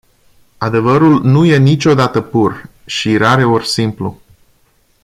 Adevărul nu e niciodată pur și rareori simplu.